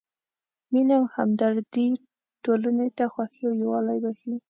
مینه او همدردي ټولنې ته خوښي او یووالی بښي.